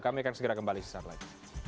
kami akan segera kembali sesaat lagi